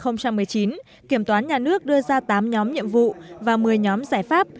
năm hai nghìn một mươi chín kiểm toán nhà nước đưa ra tám nhóm nhiệm vụ và một mươi nhóm giải pháp